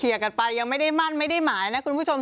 กันไปยังไม่ได้มั่นไม่ได้หมายนะคุณผู้ชม